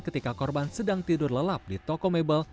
ketika korban sedang tidur lelap di toko mebel